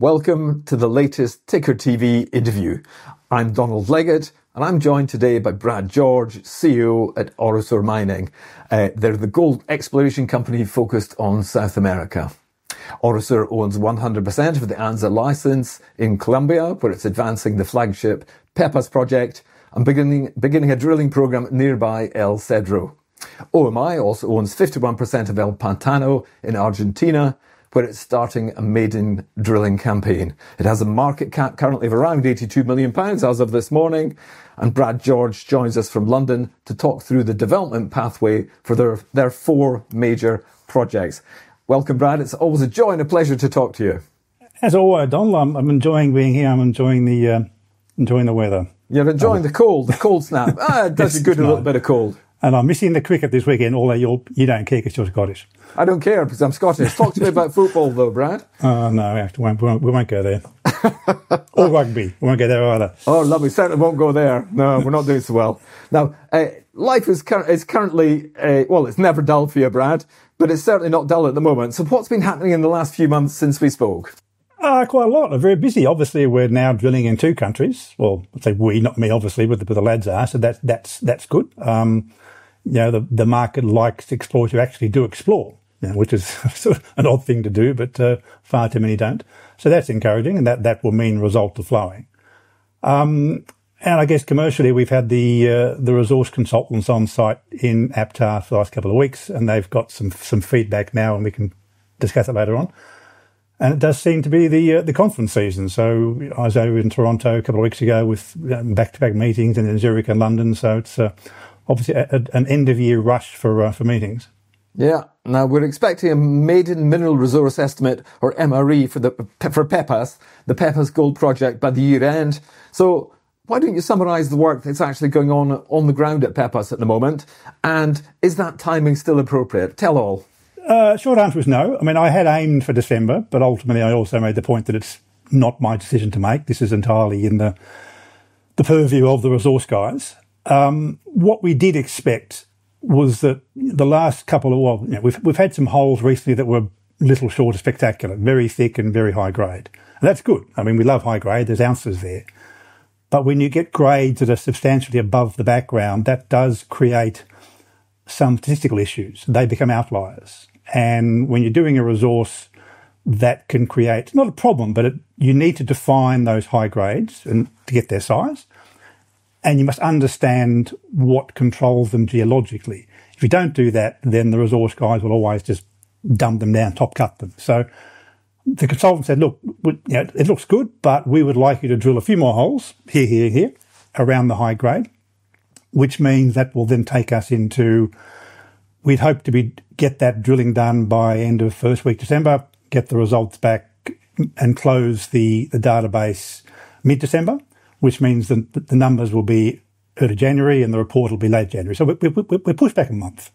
Welcome to the latest Ticker TV interview. I'm Donald Leggatt, and I'm joined today by Brad George, CEO at Orosur Mining. They're the gold exploration company focused on South America. Orosur owns 100% of the Anzá license in Colombia, where it's advancing the flagship Pepas project and beginning a drilling program nearby El Cedro. OMI also owns 51% of El Pantano in Argentina, where it's starting a maiden drilling campaign. It has a market cap currently of around 82 million pounds as of this morning, and Brad George joins us from London to talk through the development pathway for their four major projects. Welcome, Brad. It's always a joy and a pleasure to talk to you. As always, Donald, I'm enjoying being here. I'm enjoying the weather. You're enjoying the cold, the cold snap? It does good a little bit of cold. I'm missing the cricket this weekend, although you don't care 'cause you're Scottish. I don't care because I'm Scottish. Talk to me about football though, Brad. Oh, no, we won't go there. Or rugby. We won't go there either. Oh, lovely. Certainly won't go there. No, we're not doing so well. Now, life is currently, well, it's never dull for you, Brad, but it's certainly not dull at the moment. What's been happening in the last few months since we spoke? Quite a lot. I'm very busy. Obviously, we're now drilling in two countries. Well, I say we, not me obviously, but the lads are, so that's good. You know, the market likes explorers who actually do explore- Yeah... which is sort of an odd thing to do, but far too many don't. That's encouraging, and that will mean results are flowing. I guess commercially, we've had the resource consultants on site in Anzá for the last couple of weeks, and they've got some feedback now, and we can discuss that later on. It does seem to be the conference season. I was over in Toronto a couple of weeks ago with back-to-back meetings and in Zurich and London, so it's obviously at an end of year rush for meetings. Yeah. Now we're expecting a maiden mineral resource estimate or MRE for Pepas, the Pepas gold project by the year end. Why don't you summarize the work that's actually going on on the ground at Pepas at the moment, and is that timing still appropriate? Tell all. Short answer is no. I mean, I had aimed for December, but ultimately, I also made the point that it's not my decision to make. This is entirely in the purview of the resource guys. What we did expect was. Well, you know, we've had some holes recently that were a little short of spectacular, very thick and very high grade. That's good. I mean, we love high grade. There's ounces there. When you get grades that are substantially above the background, that does create some statistical issues. They become outliers. When you're doing a resource that can create, not a problem, but it, you need to define those high grades and to get their size, and you must understand what controls them geologically. If you don't do that, then the resource guys will always just dumb them down, top cut them. The consultant said, "Look, you know, it looks good, but we would like you to drill a few more holes here, and here around the high grade," which means that will then take us into. We'd hope to get that drilling done by end of first week December, get the results back and close the database mid-December, which means the numbers will be early January, and the report will be late January. We're pushed back a month,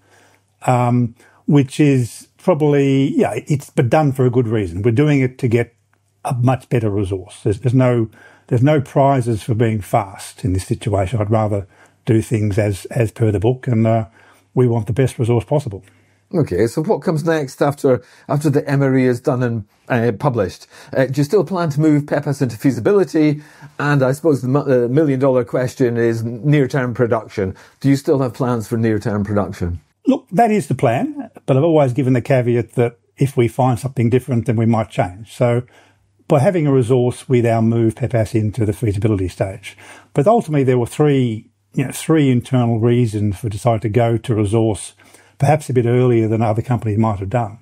which is probably. Yeah, but done for a good reason. We're doing it to get a much better resource. There's no prizes for being fast in this situation. I'd rather do things as per the book, and we want the best resource possible. Okay. What comes next after the MRE is done and published? Do you still plan to move Pepas into feasibility? I suppose the million-dollar question is near-term production. Do you still have plans for near-term production? Look, that is the plan, but I've always given the caveat that if we find something different, then we might change. By having a resource, we now move Pepas into the feasibility stage. Ultimately, there were three, you know, internal reasons for deciding to go to resource perhaps a bit earlier than other companies might have done.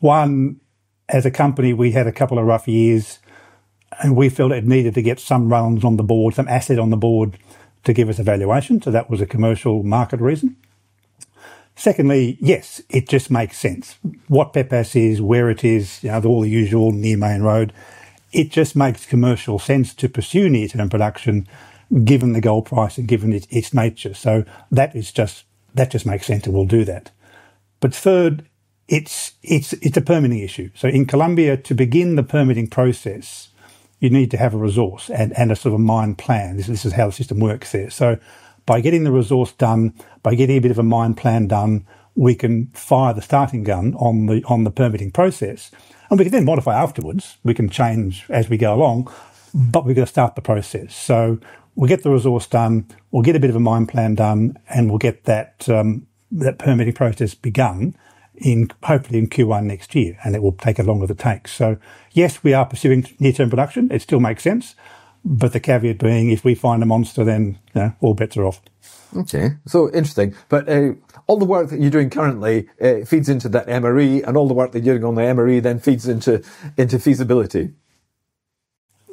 One, as a company, we had a couple of rough years, and we felt it needed to get some rounds on the board, some asset on the board to give us a valuation, so that was a commercial market reason. Secondly, yes, it just makes sense. What Pepas is, where it is, you know, all the usual near main road, it just makes commercial sense to pursue near-term production given the gold price and given its nature. That just makes sense, and we'll do that. Third, it's a permitting issue. In Colombia, to begin the permitting process, you need to have a resource and a sort of mine plan. This is how the system works there. By getting the resource done, by getting a bit of a mine plan done, we can fire the starting gun on the permitting process, and we can then modify afterwards. We can change as we go along, but we've got to start the process. We'll get the resource done, we'll get a bit of a mine plan done, and we'll get that permitting process begun in, hopefully in Q1 next year, and it will take as long as it takes. Yes, we are pursuing near-term production. It still makes sense. The caveat being, if we find a monster, then, you know, all bets are off. Okay. Interesting. All the work that you're doing currently feeds into that MRE, and all the work that you're doing on the MRE then feeds into feasibility?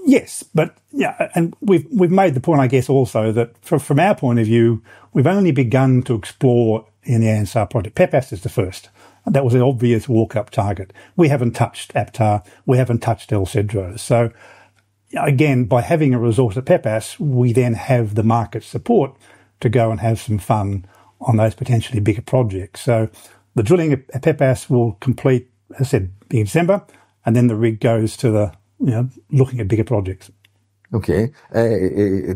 Yes. Yeah, and we've made the point, I guess also that from our point of view, we've only begun to explore in the Anzá project. Pepas is the first. That was an obvious walk-up target. We haven't touched APTA, we haven't touched El Cedro. Again, by having a resource at Pepas, we then have the market support to go and have some fun on those potentially bigger projects. The drilling at Pepas will complete, as I said, in December, and then the rig goes to the, you know, looking at bigger projects. Okay,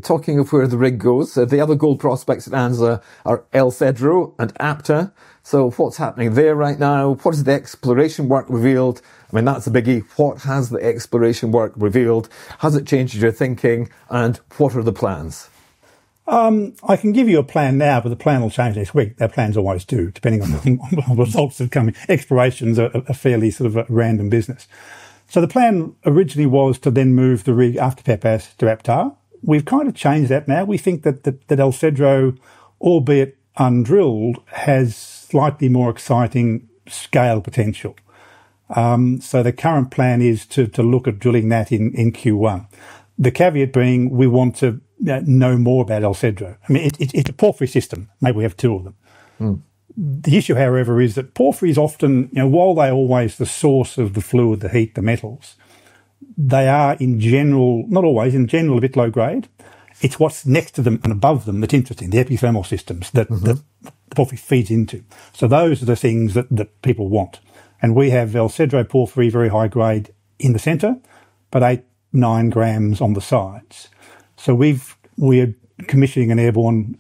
talking of where the rig goes, the other gold prospects at Anzá are El Cedro and APTA. What's happening there right now? What has the exploration work revealed? I mean, that's a biggie. Has it changed your thinking, and what are the plans? I can give you a plan now, but the plan will change next week. Our plans always do, depending on the things, results that are coming. Exploration is fairly sort of a random business. The plan originally was to then move the rig after Pepas to APTA. We've kind of changed that now. We think that El Cedro, albeit undrilled, has slightly more exciting scale potential. The current plan is to look at drilling that in Q1. The caveat being we want to know more about El Cedro. I mean, it's a porphyry system. Maybe we have two of them. Mm. The issue, however, is that porphyry is often you know, while they're always the source of the fluid, the heat, the metals, they are, in general, a bit low grade. It's what's next to them and above them that's interesting, the epithermal systems- Mm-hmm that the porphyry feeds into. Those are the things that people want. We have El Cedro porphyry, very high grade in the center, but 8, 9 grams on the sides. We're commissioning an airborne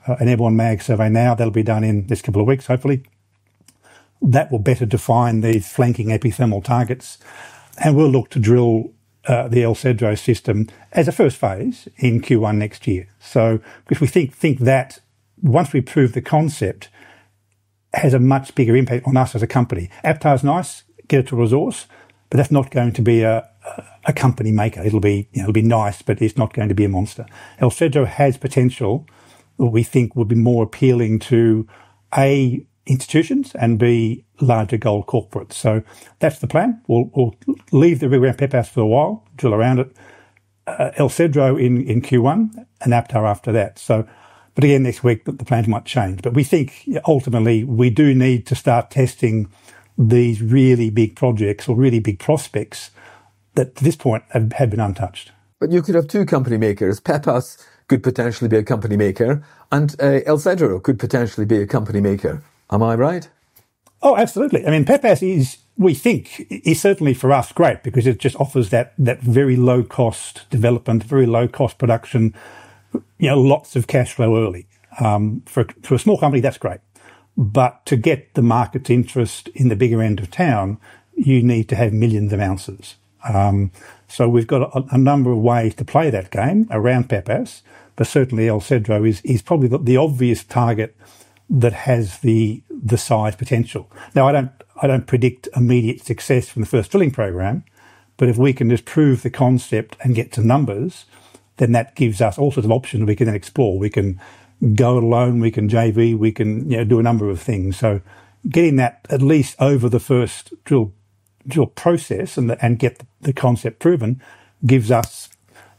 magnetic survey now that'll be done in this couple of weeks, hopefully. That will better define these flanking epithermal targets, and we'll look to drill the El Cedro system as a first phase in Q1 next year. We think that once we prove the concept, it has a much bigger impact on us as a company. Anzá is nice, get it to resource, but that's not going to be a company maker. It'll be, you know, it'll be nice, but it's not going to be a monster. El Cedro has potential that we think will be more appealing to, A, institutions and, B, larger gold corporates. That's the plan. We'll leave the rig around Pepas for a while, drill around it. El Cedro in Q1 and APTA after that. But again, next week, the plans might change. We think ultimately we do need to start testing these really big projects or really big prospects that to this point have been untouched. You could have two company makers. Pepas could potentially be a company maker and, El Cedro could potentially be a company maker. Am I right? Oh, absolutely. I mean, Pepas is, we think, certainly great for us because it just offers that very low-cost development, very low-cost production, you know, lots of cash flow early. For a small company, that's great. To get the market interest in the bigger end of town, you need to have millions of ounces. We've got a number of ways to play that game around Pepas, but certainly El Cedro is probably the obvious target that has the size potential. Now, I don't predict immediate success from the first drilling program, but if we can just prove the concept and get to numbers, then that gives us all sorts of options we can then explore. We can go it alone, we can JV, we can, you know, do a number of things. Getting that at least over the first drill process and get the concept proven gives us,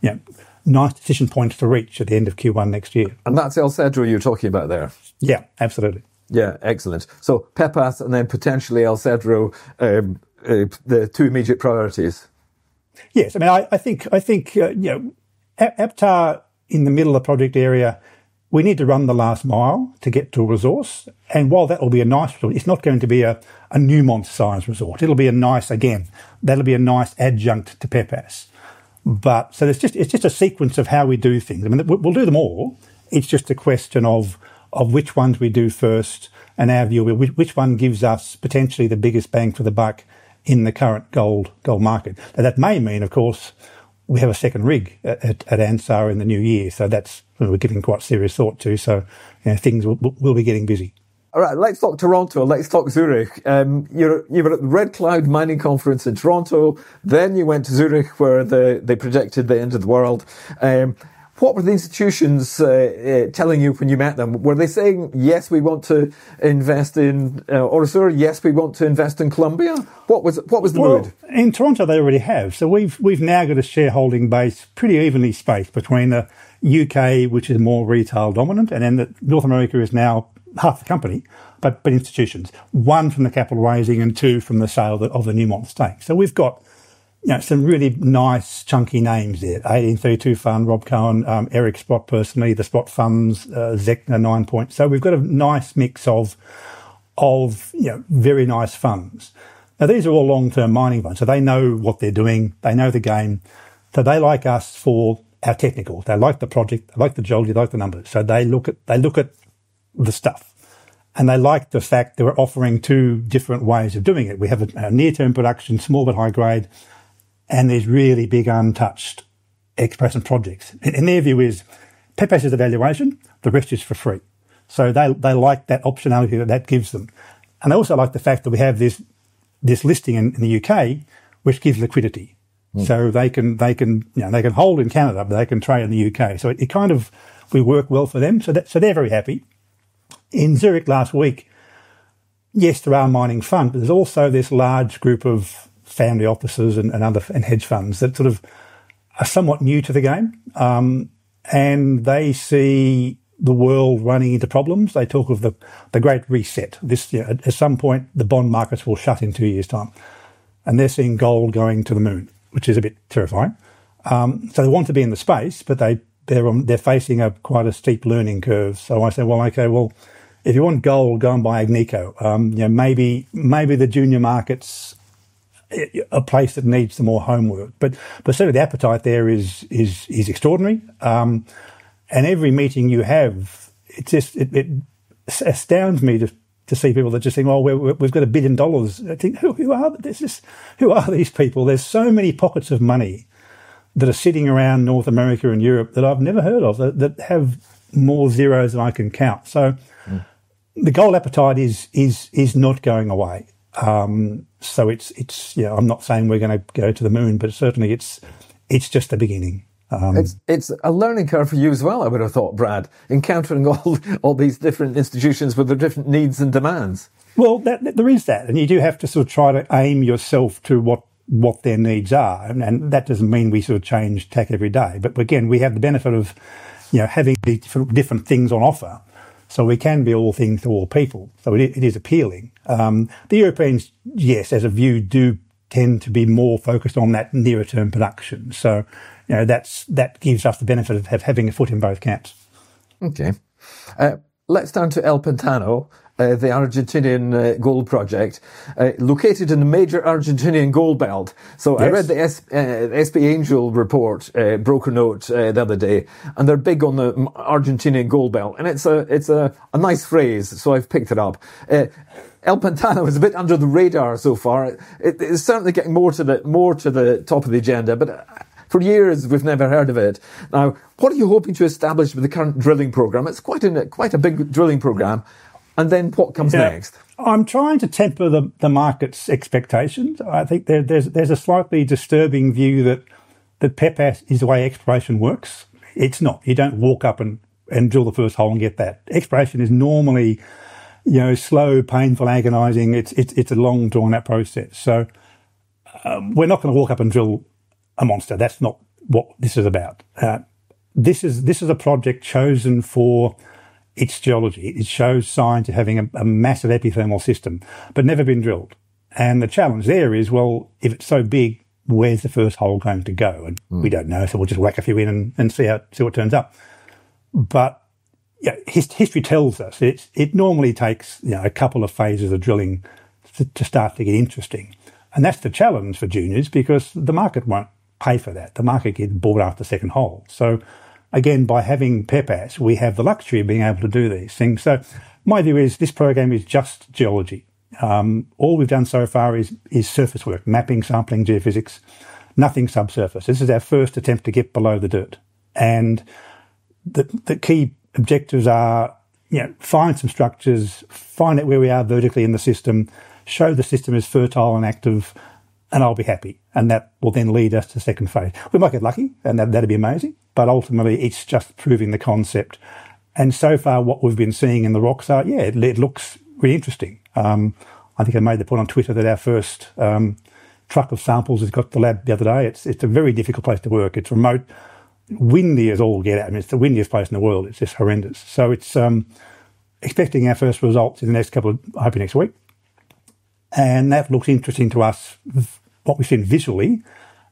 you know, a nice efficient point to reach at the end of Q1 next year. That's El Cedro you're talking about there? Yeah, absolutely. Yeah. Excellent. Pepas and then potentially El Cedro, the two immediate priorities. Yes. I mean, I think, you know, Anzá in the middle of project area, we need to run the last mile to get to a resource. While that will be a nice result, it's not going to be a Newmont-sized result. It'll be a nice result. Again, that'll be a nice adjunct to Pepas. It's just a sequence of how we do things. I mean, we'll do them all. It's just a question of which ones we do first and our view, which one gives us potentially the biggest bang for the buck in the current gold market. Now, that may mean, of course, we have a second rig at Anzá in the new year. So that's something we're giving quite serious thought to. You know, things will be getting busy. All right. Let's talk Toronto. Let's talk Zurich. You were at the Red Cloud mining conference in Toronto, then you went to Zurich, where they predicted the end of the world. What were the institutions telling you when you met them? Were they saying, "Yes, we want to invest in Orosur. Yes, we want to invest in Colombia"? What was the mood? Well, in Toronto, they already have. We've now got a shareholding base pretty evenly spaced between the U.K., which is more retail dominant, and then North America is now half the company, but institutions. One from the capital raising and two from the sale of the Newmont stake. We've got, you know, some really nice chunky names there. 1832 Fund, Rob Cohen, Eric Sprott personally, the Sprott Funds, Zecna, Ninepoint. We've got a nice mix of, you know, very nice funds. Now, these are all long-term mining funds, so they know what they're doing. They know the game. They like us for our technical. They like the project, they like the geology, they like the numbers. They look at the stuff, and they like the fact that we're offering two different ways of doing it. We have a near-term production, small but high grade, and these really big untouched exploration projects. Their view is Pepas is a valuation, the rest is for free. They like that optionality that gives them. They also like the fact that we have this listing in the U.K., which gives liquidity. Mm. They can, you know, hold in Canada, but they can trade in the U.K. It kind of works well for them, so they're very happy. In Zurich last week, there are mining funds, but there's also this large group of family offices and other hedge funds that sort of are somewhat new to the game. They see the world running into problems. They talk of the Great Reset. You know, at some point, the bond markets will shut in two years' time, and they're seeing gold going to the moon, which is a bit terrifying. They want to be in the space, but they're facing quite a steep learning curve. I said, "Well, okay. Well, if you want gold, go and buy Agnico. You know, maybe the junior markets are a place that needs some more homework. Certainly the appetite there is extraordinary. Every meeting you have, it just astounds me to see people that just think, "Well, we've got $1 billion." I think, who are these? Who are these people? There's so many pockets of money that are sitting around North America and Europe that I've never heard of, that have more zeros than I can count. Mm. The gold appetite is not going away. Yeah, I'm not saying we're gonna go to the moon, but certainly it's just the beginning. It's a learning curve for you as well, I would have thought, Brad, encountering all these different institutions with their different needs and demands. Well, there is that, and you do have to sort of try to aim yourself to what their needs are. That doesn't mean we sort of change tack every day. Again, we have the benefit of, you know, having these different things on offer. We can be all things to all people, so it is appealing. The Europeans, yes, as a view, do tend to be more focused on that nearer term production. You know, that gives us the benefit of having a foot in both camps. Okay. Let's turn to El Pantano, the Argentinian gold project, located in a major Argentinian gold belt. Yes. I read the SP Angel report, broker note, the other day, and they're big on the Argentinian gold belt. It's a nice phrase, so I've picked it up. El Pantano is a bit under the radar so far. It's certainly getting more to the top of the agenda, but for years we've never heard of it. What are you hoping to establish with the current drilling program? It's quite a big drilling program. Then what comes next? Yeah. I'm trying to temper the market's expectations. I think there's a slightly disturbing view that Pepas is the way exploration works. It's not. You don't walk up and drill the first hole and get that. Exploration is normally, you know, slow, painful, agonizing. It's a long drawn out process. We're not gonna walk up and drill a monster. That's not what this is about. This is a project chosen for its geology. It shows signs of having a massive epithermal system, but never been drilled. The challenge there is, well, if it's so big, where's the first hole going to go? We don't know, so we'll just whack a few in and see what turns up. Yeah, history tells us, it normally takes, you know, a couple of phases of drilling to start to get interesting. That's the challenge for juniors because the market won't pay for that. The market gets bored after second hole. Again, by having Pepas, we have the luxury of being able to do these things. My view is this program is just geology. All we've done so far is surface work, mapping, sampling, geophysics, nothing subsurface. This is our first attempt to get below the dirt. The key objectives are, you know, find some structures, find out where we are vertically in the system, show the system is fertile and active, and I'll be happy. That will then lead us to second phase. We might get lucky, and that'd be amazing, but ultimately, it's just proving the concept. So far, what we've been seeing in the rocks are, it looks really interesting. I think I made the point on Twitter that our first truck of samples has got to the lab the other day. It's a very difficult place to work. It's remote. Windy as all get out. I mean, it's the windiest place in the world. It's just horrendous. It's expecting our first results in the next couple of hopefully next week. And that looks interesting to us versus what we've seen visually,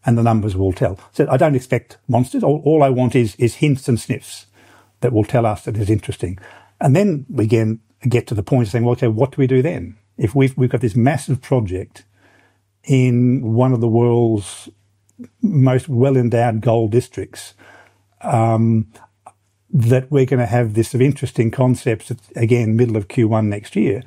and the numbers will tell. I don't expect monsters. All I want is hints and sniffs that will tell us that it's interesting. We again get to the point saying, "Well, so what do we do then?" If we've got this massive project in one of the world's most well-endowed gold districts, that we're gonna have this sort of interesting concepts, again, middle of Q1 next year.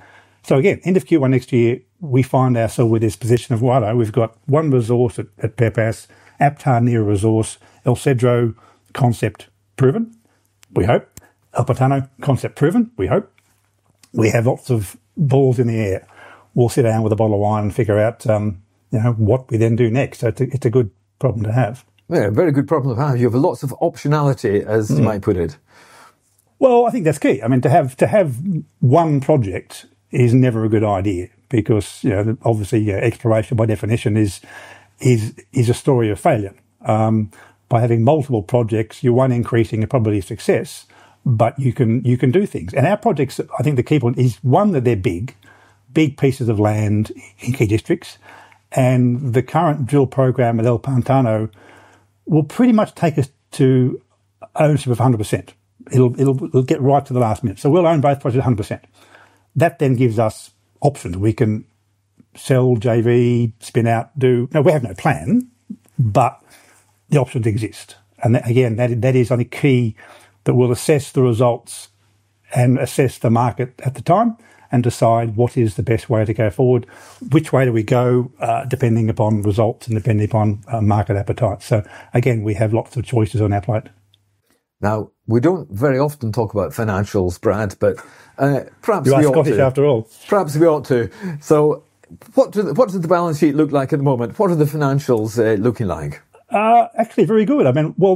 Again, end of Q1 next year, we find ourselves with this position of, "Well, we've got one resource at Pepas, inferred resource, El Cedro concept proven, we hope. El Pantano concept proven, we hope." We have lots of balls in the air. We'll sit down with a bottle of wine and figure out, you know, what we then do next. It's a good problem to have. Yeah, a very good problem to have. You have lots of optionality, as you might put it. Well, I think that's key. I mean, to have one project is never a good idea because, you know, obviously, exploration by definition is a story of failure. By having multiple projects, you're one, increasing your probability of success, but you can do things. Our projects, I think the key point is, one, that they're big pieces of land in key districts, and the current drill program at El Pantano will pretty much take us to ownership of 100%. It'll get right to the last minute. We'll own both projects 100%. That then gives us options. We can sell, JV, spin out, do. Now we have no plan, but the options exist. Again, that is the only key that we'll assess the results and assess the market at the time and decide what is the best way to go forward, which way do we go, depending upon results and depending upon market appetite. We have lots of choices on our plate. Now, we don't very often talk about financials, Brad, but, perhaps we ought to. You are Scottish after all. Perhaps we ought to. What does the balance sheet look like at the moment? What are the financials looking like? Actually very good. I mean, well,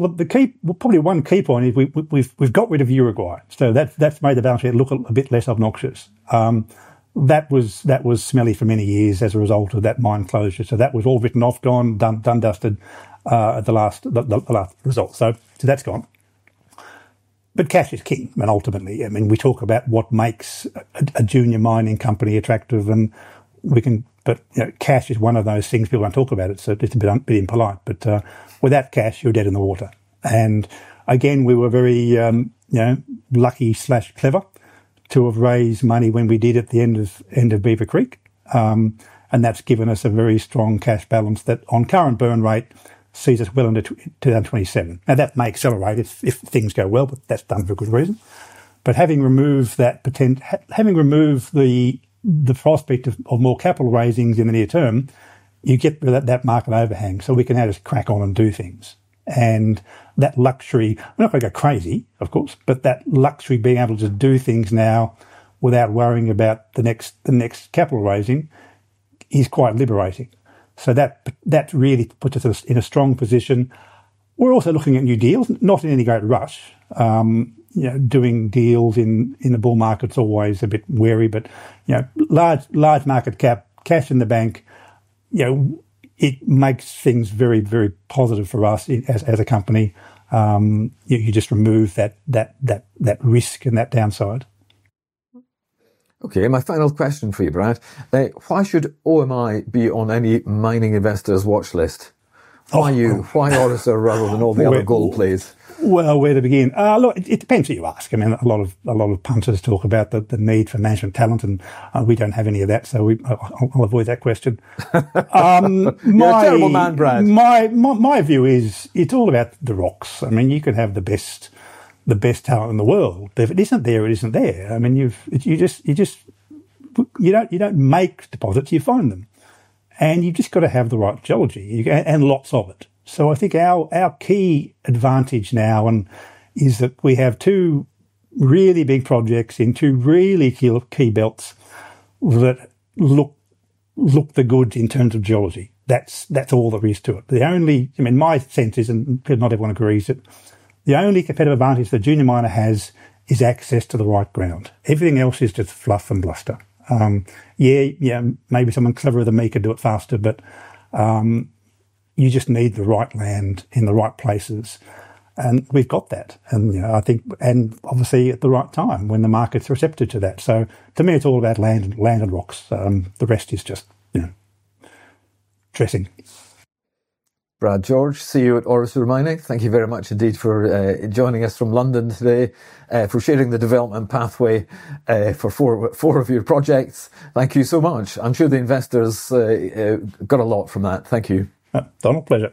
probably one key point is we've got rid of Uruguay, so that's made the balance sheet look a bit less obnoxious. That was smelly for many years as a result of that mine closure. So that was all written off, gone, done and dusted at the last result. So that's gone. Cash is king. Ultimately, I mean, we talk about what makes a junior mining company attractive and we can. You know, cash is one of those things people don't talk about it, so just being polite. Without cash, you're dead in the water. Again, we were very, you know, lucky or clever to have raised money when we did at the end of Beaver Creek. That's given us a very strong cash balance that on current burn rate sees us well into 2027. Now, that may accelerate if things go well, but that's done for good reason. Having removed the prospect of more capital raisings in the near term, you get that market overhang, so we can now just crack on and do things. That luxury, we're not gonna go crazy, of course, but that luxury being able to do things now without worrying about the next capital raising is quite liberating. That really puts us in a strong position. We're also looking at new deals, not in any great rush. You know, doing deals in the bull market's always a bit wary, but you know, large market cap, cash in the bank, you know, it makes things very positive for us as a company. You just remove that risk and that downside. Okay. My final question for you, Brad. Why should OMI be on any mining investor's watchlist? Why you? Why Orosur rather than all the other gold plays? Well, where to begin? Look, it depends who you ask. I mean, a lot of punters talk about the need for management talent, and we don't have any of that, so I'll avoid that question. You're a terrible man, Brad. My view is it's all about the rocks. I mean, you could have the best talent in the world. If it isn't there, it isn't there. I mean, you just don't make deposits, you find them. You just gotta have the right geology and lots of it. I think our key advantage now is that we have two really big projects in two really key belts that look good in terms of geology. That's all there is to it. I mean, my sense is, and not everyone agrees, that the only competitive advantage the junior miner has is access to the right ground. Everything else is just fluff and bluster. Yeah, maybe someone cleverer than me could do it faster, but you just need the right land in the right places, and we've got that. You know, obviously, at the right time, when the market's receptive to that. To me, it's all about land and rocks. The rest is just, you know, dressing. Brad George, CEO, Orosur Mining. Thank you very much indeed for joining us from London today for sharing the development pathway for four of your projects. Thank you so much. I'm sure the investors got a lot from that. Thank you. Total pleasure.